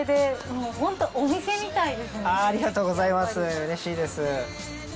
うれしいです。